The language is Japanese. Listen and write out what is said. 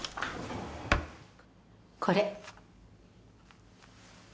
これ。